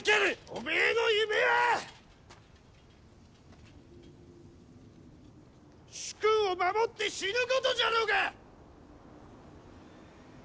おめえの夢は主君を守って死ぬことじゃろうが！